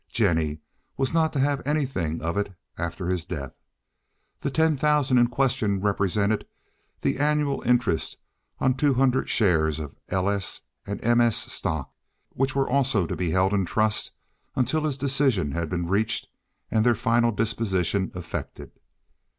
Jennie was not to have anything of it after his death. The ten thousand in question represented the annual interest on two hundred shares of L. S. and M. S. stock which were also to be held in trust until his decision had been reached and their final disposition effected.